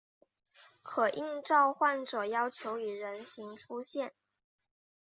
可应召唤者要求以人形出现。